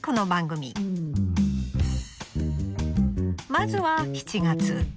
まずは７月。